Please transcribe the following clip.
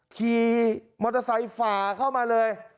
ขี่มอเตอร์ไซค์ฝ่าเข้ามาเลย